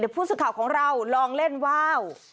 เดี๋ยวพูดสุข่าวของเราลองเล่นว่าว